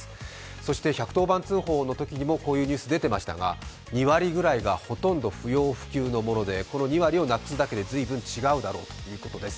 そして１１０番通報のときにも、こういうニュース、出てましたが、２割ぐらいがほとんど不要不急のものでこの２割をなくすだけで随分違うだろうということです。